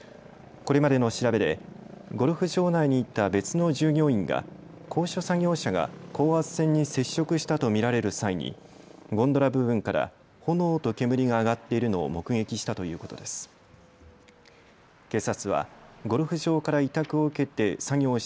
これまでの調べでゴルフ場内にいた別の従業員が高所作業車が高圧線に接触したと見られる際にゴンドラ部分から炎と煙が上がっているのを目撃したということです。